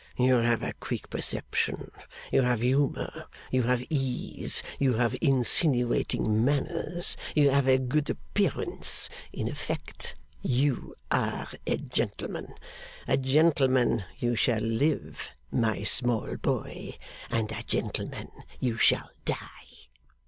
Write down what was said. You have a quick perception, you have humour, you have ease, you have insinuating manners, you have a good appearance; in effect, you are a gentleman! A gentleman you shall live, my small boy, and a gentleman you shall die.